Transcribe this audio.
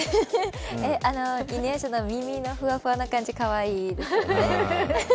犬夜叉の耳のふわふわな感じ、かわいいですね。